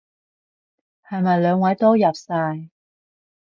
係咪兩位都入晒？